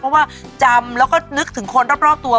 เพราะว่าจำแล้วก็นึกถึงคนรอบตัว